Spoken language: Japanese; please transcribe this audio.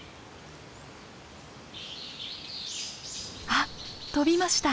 あっ飛びました。